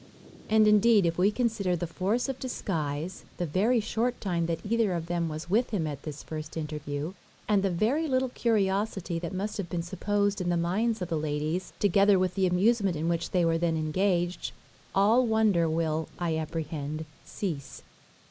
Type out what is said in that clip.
And, indeed, if we consider the force of disguise, the very short time that either of them was with him at this first interview, and the very little curiosity that must have been supposed in the minds of the ladies, together with the amusement in which they were then engaged, all wonder will, I apprehend, cease.